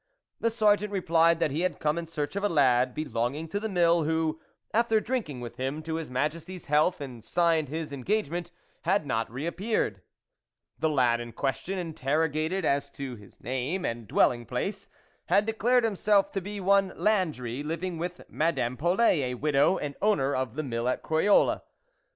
The Sergeant replied that he had come in search of a lad, belonging to the Mill, who, after drinking with him to his Majesty's health and signed his engage ment, had not re appeared. The lad in question, interrogated as to his name and dwelling place,; had declared himself to be one Landry, living with Madame Polet, a widow, owner of the Mill at Croyolles.